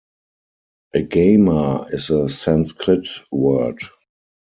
'Agama' is a Sanskrit word.